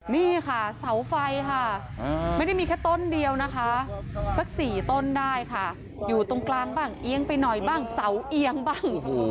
นี่ค่ะเสาไฟค่ะไม่ได้มีแค่ต้นเดียวนะคะสัก๔ต้นได้ค่ะอยู่ตรงกลางบ้างเอียงไปหน่อยบ้างเสาเอียงบ้าง